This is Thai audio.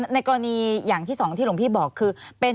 ในกรณีอย่างที่สองที่หลวงพี่บอกคือเป็น